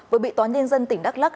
với bị tòa nhân dân tỉnh đắk lắc